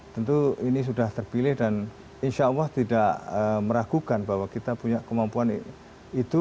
tentu ini sudah terpilih dan insya allah tidak meragukan bahwa kita punya kemampuan itu